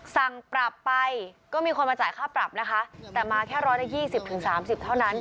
สั่งปรับไปก็มีคนมาจ่ายค่าปรับนะคะแต่มาแค่๑๒๐๓๐เท่านั้น